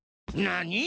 何！？